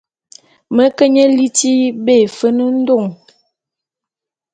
Mi ke nye liti be Efen-Ndon.